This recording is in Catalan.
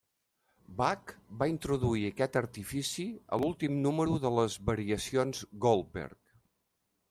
Bach va introduir aquest artifici a l'últim número de les variacions Goldberg.